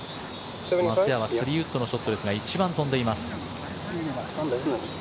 松山、３ウッドのショットですが一番飛んでいます。